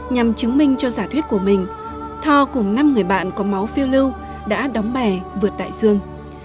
nhằm chứng minh cho giả thuyết của mình tho cùng năm người bạn có máu phiêu lưu đã đóng bè vượt đại dương